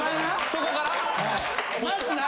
そこから？